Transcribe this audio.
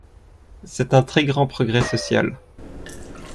C’est un très grand progrès social.